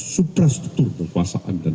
suprastruktur perkuasaan dan